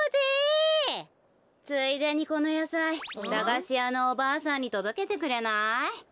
ついでにこのやさい駄菓子屋のおばあさんにとどけてくれない？